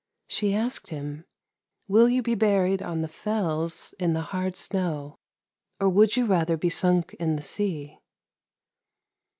She asked him, ' Will you be buried on the Fells, in the hard snow, or would you rather be sunk in the sea?